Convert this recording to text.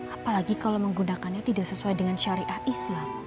apalagi kalau menggunakannya tidak sesuai dengan syariah islam